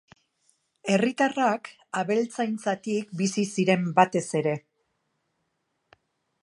Herritarrak abeltzaintzatik bizi ziren batez ere.